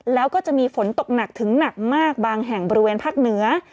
แล้วก็จะมีฝนตกหนักถึงหนักมากบางแห่งบริเวณภาคเหนือ